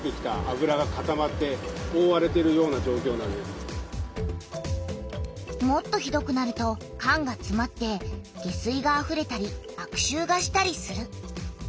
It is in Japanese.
これはもっとひどくなると管がつまって下水があふれたりあくしゅうがしたりする。